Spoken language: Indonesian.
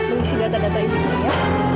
mengisi data data ini ya